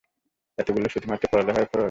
এতগুলো শুধুমাত্র পড়ালেখার খরচ?